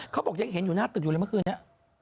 เขาบอกยังเห็นอยู่หน้าตึกอยู่เลยเมื่อคืนนี้